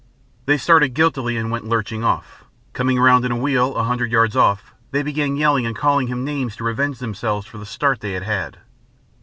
They started guiltily and went lurching off. Coming round in a wheel, a hundred yards off, they began yelling and calling him names to revenge themselves for the start they had had.